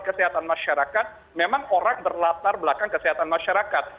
kesehatan masyarakat memang orang berlatar belakang kesehatan masyarakat